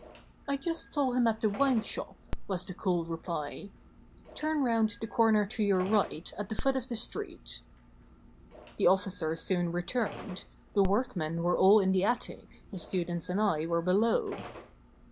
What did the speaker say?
"I just saw him at the wine shop," was the cool reply. "Turn round the corner to your right, at the foot of the street." The officer soon returned ; the workmen were all in the attic, the students and I were below.